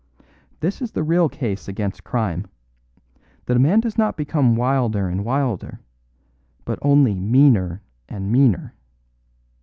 This is the real case against crime, that a man does not become wilder and wilder, but only meaner and meaner.